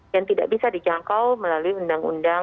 yang tidak bisa dijangkau melalui undang undang